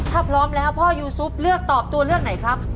ถ้าพร้อมแล้วพ่อยูซุปเลือกตอบตัวเลือกไหนครับ